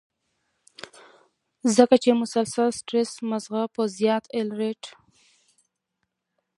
ځکه چې مسلسل سټرېس مازغۀ پۀ زيات الرټ